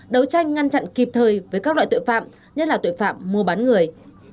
đấu tranh ngăn chặn kịp thời với các loại tội phạm nhất là tội phạm mua bán người